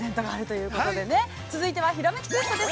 ◆続いては「ひらめきクエスト」です。